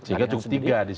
sehingga cukup tiga disitu